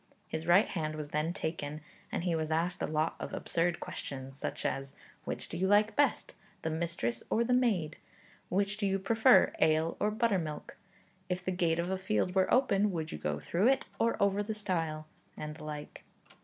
His right hand was then taken, and he was asked a lot of absurd questions, such as 'Which do you like best, the mistress or the maid?' 'Which do you prefer, ale or buttermilk?' 'If the gate of a field were open, would you go through it, or over the stile?' and the like.